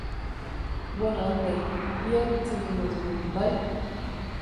Bueno, Ander, bihar hitz egingo dugu, bai?